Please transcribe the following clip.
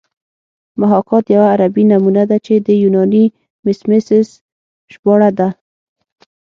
محاکات یوه عربي نومونه ده چې د یوناني میمیسیس ژباړه ده